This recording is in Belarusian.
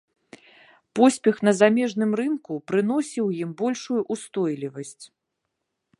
Поспех на замежным рынку прыносіў ім большую ўстойлівасць.